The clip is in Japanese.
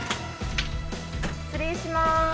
失礼します。